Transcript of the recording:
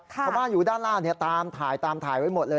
ตำบ้านอยู่ด้านล่าเนี่ยตามถ่ายไว้หมดเลย